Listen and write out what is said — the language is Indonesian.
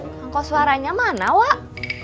kang koswaranya mana wak